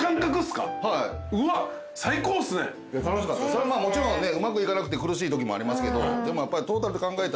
そりゃまあもちろんうまくいかなくて苦しいときもありますけどでもやっぱり。